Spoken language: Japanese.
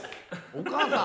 お母さん。